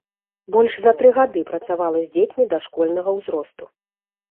Больш за тры гады працавала з дзецьмі дашкольнага ўзросту.